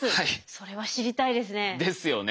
それは知りたいですね。ですよね。